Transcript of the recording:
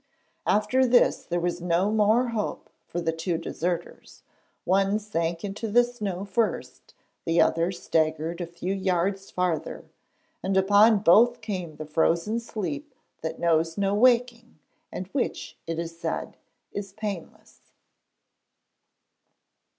After this there was no more hope for the two deserters. One sank into the snow first, the other staggered a few yards farther, and upon both came the frozen sleep that knows no waking and which, it is said, is painless.